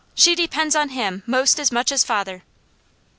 She depends on him most as much as father."